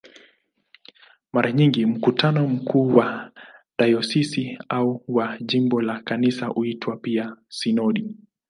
Mara nyingi mkutano mkuu wa dayosisi au wa jimbo la Kanisa huitwa pia "sinodi".